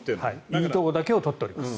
いいところだけを撮っております。